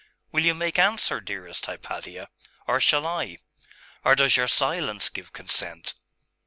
Will you make answer, dearest Hypatia, or shall I?....or does your silence give consent?